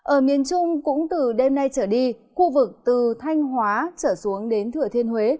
ở miền trung cũng từ đêm nay trở đi khu vực từ thanh hóa trở xuống đến thừa thiên huế